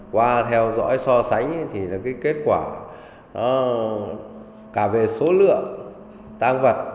qua theo dõi so sánh thì cái kết quả cả về số lượng tăng vật